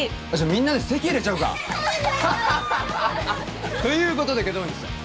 みんなで籍入れちゃうかということで祁答院さん